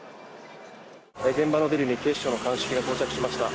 「現場のビルに警視庁の鑑識が到着しました」